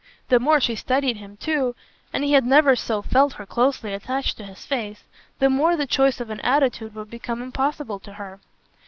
The more she studied him too and he had never so felt her closely attached to his face the more the choice of an attitude would become impossible to her.